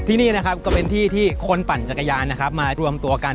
ที่นี่นะครับก็เป็นที่ที่คนปั่นจักรยานนะครับมารวมตัวกัน